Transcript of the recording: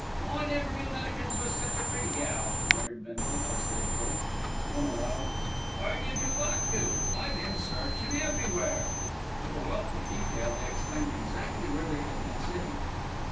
"I never knew Millikins was such a pretty gal," muttered Bindle, as they approached. Then aloud, "Where'd you two got to? I been searchin' everywhere." With a wealth of detail they explained exactly where they had been sitting.